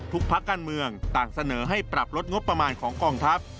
พักการเมืองต่างเสนอให้ปรับลดงบประมาณของกองทัพ